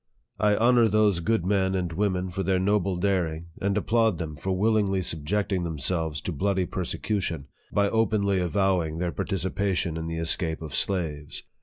I honor thdso good men and women for their noble daring, and ap plaud them for willingly subjecting themselves to bloody persecution, by openly avowing their participa tion in the escape of slaves.